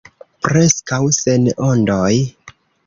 Preskaŭ sen ondoj.